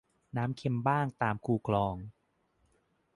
น้ำเค็มบ้างตามคูคลอง